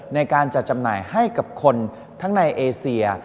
ในการจัดจำหน่ายให้กับคนทั้งในเอเซีย